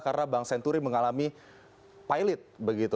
karena bank senturi mengalami pilot begitu